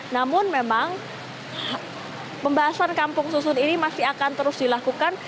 namun memang pembahasan kampung susun ini masih akan terus dilakukan